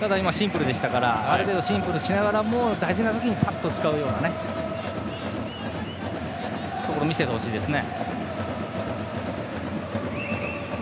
ただ今シンプルでしたからある程度シンプルにしながら大事な時にはぱっと使うようなところを見せてほしいですね。